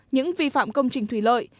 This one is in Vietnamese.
những vi phạm công trình thủy lợi